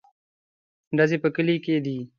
_ډزې په کلي کې دي.